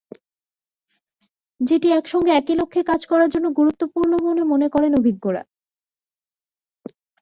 যেটি একসঙ্গে একই লক্ষ্যে কাজ করার জন্য গুরুত্বপূর্ণ বলে মনে করেন অভিজ্ঞরা।